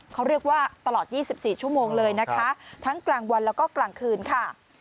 เขาเรียกว่าตลอด๒๔ชั่วโมงเลยนะคะทั้งกลางวันแล้วก็กลางคืนค่ะ